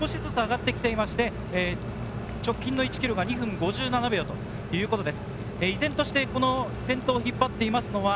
ただペースは少しずつ上がって来ていまして直近の１ｋｍが２分５７秒ということです。